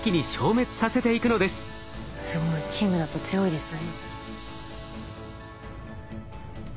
すごい。チームだと強いですね。